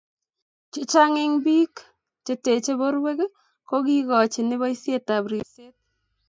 chechang' eng' biikmche teche borwek ko kikochini boisietab ribset